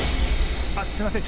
すいません